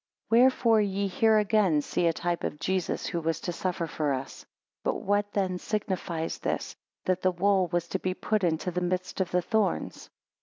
13 Wherefore ye here again see a type of Jesus who was to suffer for us. 14 But what then signifies this, That the wool was to be put into the midst of the thorns?